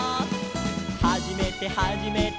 「はじめてはじめて」